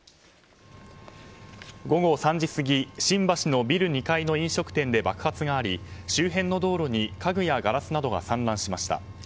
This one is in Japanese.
午後３時過ぎ新橋のビル２階の飲食店で爆発があり、周辺の道路に家具やガラスなどが散乱しました。